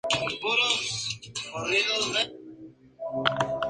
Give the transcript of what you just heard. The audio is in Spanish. Pese a su felicidad, un día Andrea enferma de difteria y, muy debilitada, fallece.